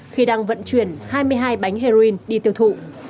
khi đang vận chuyển hai mươi hai bánh heroin đi tiêu thụ